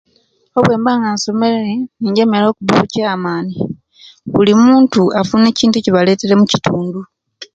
Obwemba nga nsomere ni yemerera okuba chairmani buli muntu afuna ekintu ekibaletere omukitundu